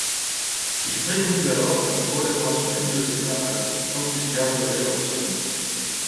Il préconise alors une collaboration des deux États allemands, tant qu'ils garderaient leur souveraineté.